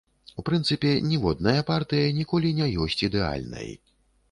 У прынцыпе, ніводная партыя ніколі не ёсць ідэальнай.